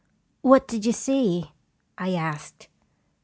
" What did you see?' I asked.